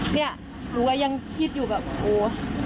เนี่ยหนูก็ยังคิดอยู่แบบโอ้